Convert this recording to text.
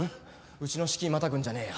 うちの敷居またぐんじゃねえよ。